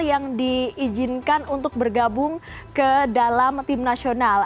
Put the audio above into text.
yang diizinkan untuk bergabung ke dalam tim nasional